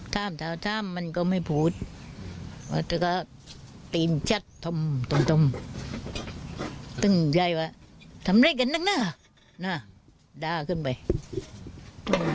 ท่ามมันก็ไม่พูดแต่ก็ติ้มชัดท่มตึงยายว่าทำไรกันนะนะด่าขึ้นไป